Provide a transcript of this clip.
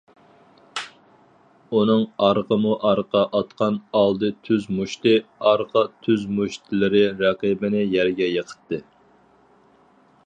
ئۇنىڭ ئارقىمۇ ئارقا ئاتقان ئالدى تۈز مۇشتى، ئارقا تۈز مۇشتلىرى رەقىبىنى يەرگە يىقىتتى.